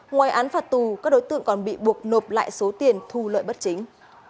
ngoài án phạt tù các đối tượng còn bị buộc nộp lại số tiền thu lợi bất chính